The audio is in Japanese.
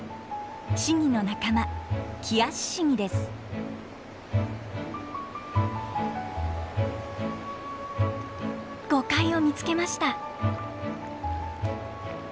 シギの仲間ゴカイを見つけました。